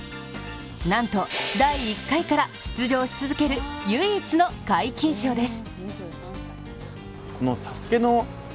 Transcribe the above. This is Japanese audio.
なんと第１回から出場し続ける唯一の皆勤賞です。